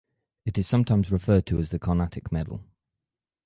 It is sometimes referred to as the Carnatic Medal.